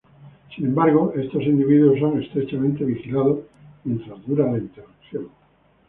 Sin embargo, estos individuos son estrechamente vigilados mientras dura la interrupción.